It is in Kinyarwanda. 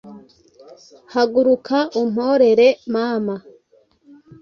haguruka umporere mana